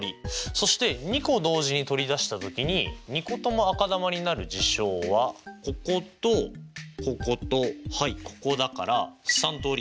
そして２個同時に取り出した時に２個とも赤球になる事象はこことこことここだから３通り。